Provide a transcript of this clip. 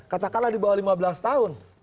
katakanlah di bawah lima belas tahun